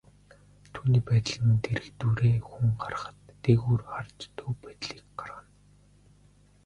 Түүний байдал нь дэргэдүүрээ хүн гарахад, дээгүүр харж төв байдлыг гаргана.